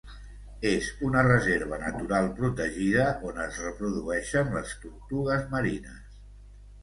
És una reserva natural protegida on es reprodueixen les tortugues marines.